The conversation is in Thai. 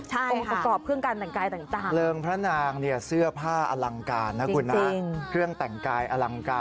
องค์ประกอบเครื่องการแต่งกายต่าง